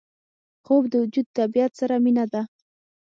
خوب د وجود طبیعت سره مینه ده